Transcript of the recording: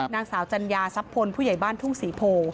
นางสาวจัญญาทรัพย์พลผู้ใหญ่บ้านทุ่งศรีโพ